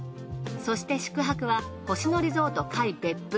そして宿泊は星野リゾート界別府。